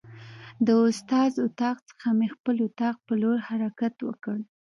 د استاد اتاق څخه مې خپل اتاق په لور حرکت وکړ.